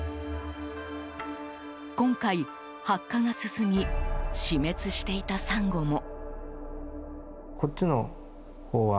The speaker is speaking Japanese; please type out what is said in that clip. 今回、白化が進み死滅していたサンゴも。